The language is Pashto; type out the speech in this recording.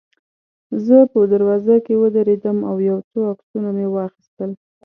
زه په دروازه کې ودرېدم او یو څو عکسونه مې واخیستل.